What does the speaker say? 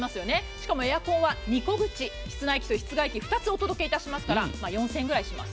しかもエアコンは２個口室内機と室外機２つお届けしますから４０００円ぐらいします。